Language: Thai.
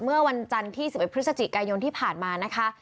เมื่อวันจันทร์ที่๑๑พฤศจิกายนที่ผ่านมานะคะ